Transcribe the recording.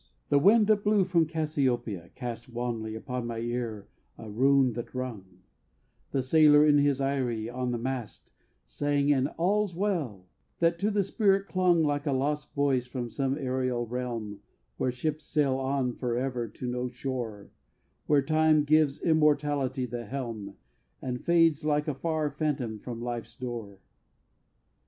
II The wind that blew from Cassiopeia cast Wanly upon my ear a rune that rung; The sailor in his eyrie on the mast Sang an "All's well," that to the spirit clung Like a lost voice from some aërial realm Where ships sail on forever to no shore, Where Time gives Immortality the helm, And fades like a far phantom from life's door.